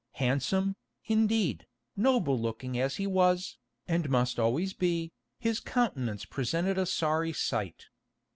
Handsome, indeed, noble looking as he was, and must always be, his countenance presented a sorry sight.